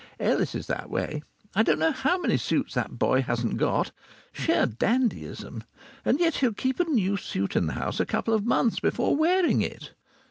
Ellis is that way. I don't know how many suits that boy hasn't got sheer dandyism! and yet he'll keep a new suit in the house a couple of months before wearing it!